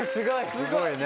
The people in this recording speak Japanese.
・すごいね。